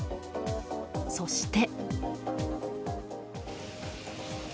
そして。